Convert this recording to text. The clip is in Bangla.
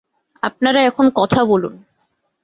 আপনারা এখন কথা বলুন।